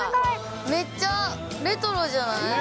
めっちゃレトロじゃない？